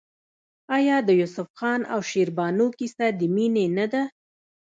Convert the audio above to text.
آیا د یوسف خان او شیربانو کیسه د مینې نه ده؟